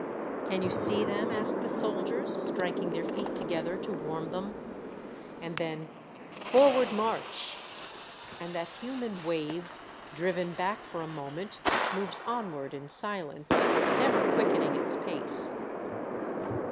" Can you see them? " ask the soldiers, striking their feet together to warm them. And then " Forward march !" and that human wave, driven back for a moment, moves onward in silence, never quickening its pace.